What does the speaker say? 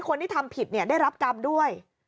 คนที่ทำผิดได้รับกรรมด้วย